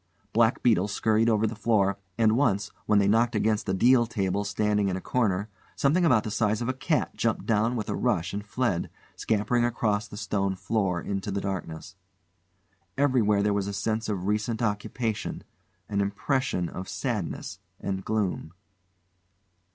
Black beetles scurried over the floor, and once, when they knocked against a deal table standing in a corner, something about the size of a cat jumped down with a rush and fled, scampering across the stone floor into the darkness. Everywhere there was a sense of recent occupation, an impression of sadness and gloom.